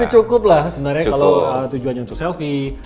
ini cukup lah sebenarnya kalau tujuannya untuk selfie